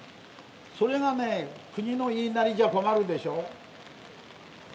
それがね国の言いなりじゃ困るでしょ？